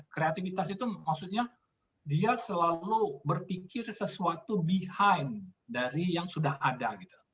kreativitas itu maksudnya dia selalu berpikir sesuatu behind dari yang sudah ada